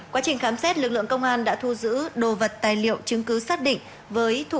quá trình khám xét lực lượng công an đã thu giữ đồ vật tài liệu chứng cứ xác định